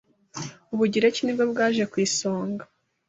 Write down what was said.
Ubugereki ni bwo bwaje ku isonga.